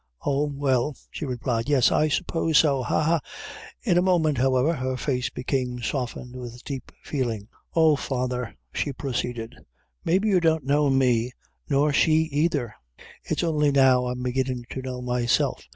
"Oh well!" she replied "yes, I suppose so ha! ha!" In a moment, however, her face became softened with deep feeling; "O, father," she proceeded, "maybe you don't know me, nor she either; it's only now I'm beginnin' to know myself.